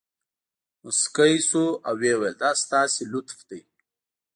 مسکی شو او ویې ویل دا ستاسې لطف دی.